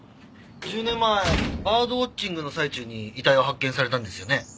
１０年前バードウォッチングの最中に遺体を発見されたんですよね？